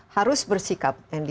harus bersikap andy